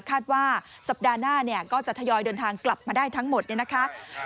คาดว่าสัปดาห์หน้าเนี่ยก็จะทยอยเดินทางกลับมาได้ทั้งหมดเนี่ยนะคะ